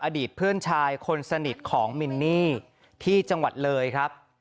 อดีตเพื่อนชายคนสนิทของมินนี่ที่จังหวัดเลยครับ